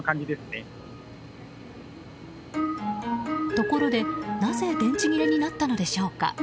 ところで、なぜ電池切れになったのでしょうか。